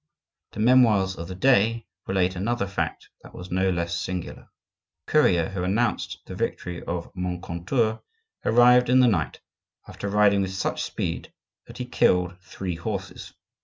The memoirs of the day relate another fact that was no less singular. The courier who announced the victory of Moncontour arrived in the night, after riding with such speed that he killed three horses.